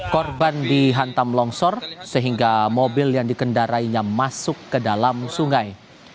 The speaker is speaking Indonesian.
korban dihantam longsor sehingga mobil yang dikendarainya masuk ke dalam sungai